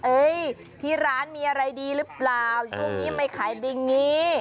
เฮ้ยที่ร้านมีอะไรดีหรือเปล่าโยงนี้ไม่ขายดิ่งนี้